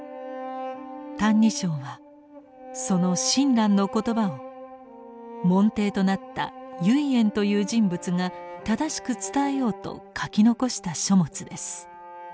「歎異抄」はその親鸞の言葉を門弟となった唯円という人物が正しく伝えようと書き残した書物です。